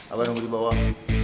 abah nunggu dibawah